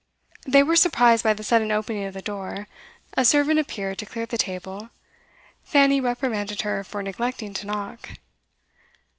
They were surprised by the sudden opening of the door; a servant appeared to clear the table. Fanny reprimanded her for neglecting to knock.